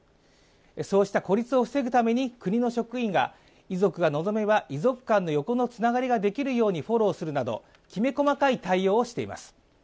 そうした孤立を防ぐために国の職員が遺族が望めば遺族間の横のつながりができるようにフォローするなどきめ細かい対応をしています。